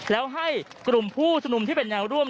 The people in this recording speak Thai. แล้วให้กลุ่มผู้ชุมนุมที่เป็นแนวร่วม